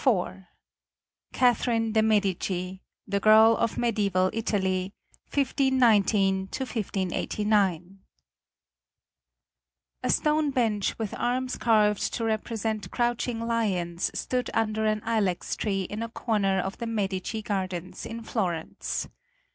IV Catherine de' Medici The Girl of Mediæval Italy: 1519 1589 A stone bench with arms carved to represent crouching lions stood under an ilex tree in a corner of the Medici gardens in Florence.